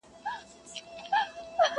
سرکښي یې له ازله په نصیب د تندي سوله,